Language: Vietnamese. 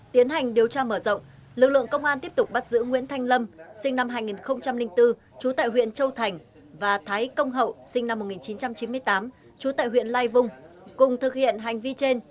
tiến hành điều tra mở rộng lực lượng công an tiếp tục bắt giữ nguyễn thanh lâm sinh năm hai nghìn bốn trú tại huyện châu thành và thái công hậu sinh năm một nghìn chín trăm chín mươi tám trú tại huyện lai vung cùng thực hiện hành vi trên